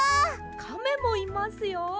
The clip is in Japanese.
カメもいますよ。